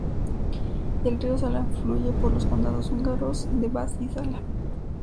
El río Zala fluye por los condados húngaros de Vas y Zala.